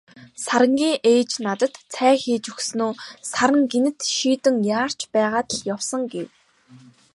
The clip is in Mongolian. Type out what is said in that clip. Сарангийн ээж надад цай хийж өгснөө "Саран гэнэт шийдэн яарч байгаад л явсан" гэв.